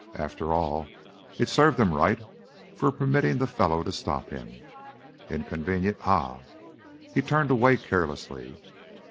After all, it served him right for permitting the fellow to stop him. "Inconvenient! Ha!" He turned away carelessly.